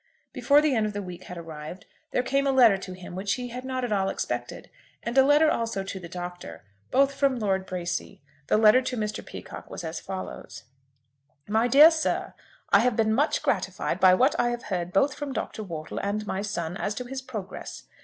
Before the end of the week had arrived, there came a letter to him which he had not at all expected, and a letter also to the Doctor, both from Lord Bracy. The letter to Mr. Peacocke was as follows: "MY DEAR SIR, I have been much gratified by what I have heard both from Dr. Wortle and my son as to his progress.